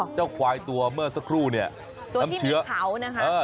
เจ้าควายตัวเมื่อสักครู่เนี่ยน้ำเชื้อตัวที่มีเขานะครับ